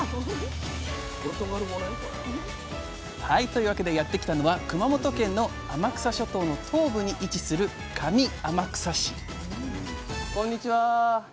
はいというわけでやって来たのは熊本県の天草諸島の東部に位置する上天草市こんにちは。